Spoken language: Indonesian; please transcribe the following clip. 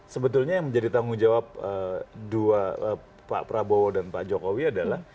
sebetulnya yang menjadi tanggung jawab dua pak prabowo dan pak jokowi adalah